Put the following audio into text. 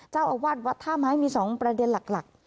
เจ้าอาวาสวัดท่าไม้มี๒ประเด็นหลัก